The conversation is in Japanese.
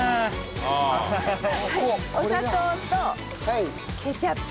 お砂糖とケチャップ。